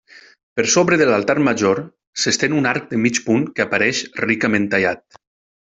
Per sobre de l'altar major s'estén un arc de mig punt que apareix ricament tallat.